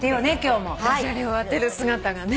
駄じゃれを当てる姿がね